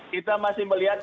kita masih melihat